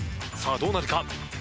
さあどうなるか？